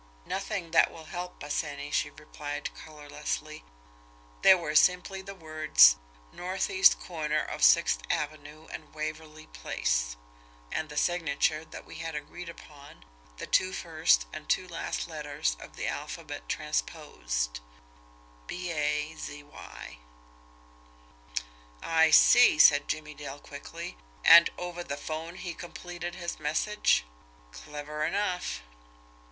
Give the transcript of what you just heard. "Nothing that will help us any," she replied colourlessly. "There were simply the words 'northeast corner of Sixth Avenue and Waverly Place,' and the signature that we had agreed upon, the two first and two last letters of the alphabet transposed BAZY." "I see," said Jimmie Dale quickly. "And over the 'phone he completed his message. Clever enough!"